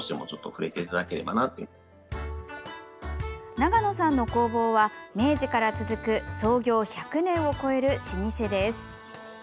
長野さんの工房は明治から続く創業１００年を超える老舗です。